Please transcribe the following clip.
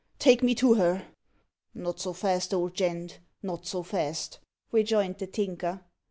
Take me to her." "Not so fast, old gent, not so fast," rejoined the Tinker.